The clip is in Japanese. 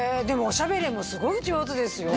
おしゃべりもすごい上手ですよ